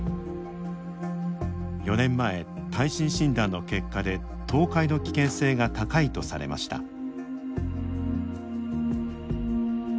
４年前耐震診断の結果で倒壊の危険性が高いとされました。